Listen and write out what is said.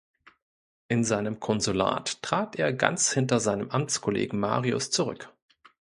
In seinem Konsulat trat er ganz hinter seinem Amtskollegen Marius zurück.